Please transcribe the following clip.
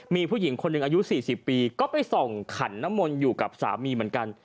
มีผู้หญิงคนหนึ่งอายุ๔๐ปีก็ไปส่องขันน้ำมนต์อยู่กับสามีเหมือนกัน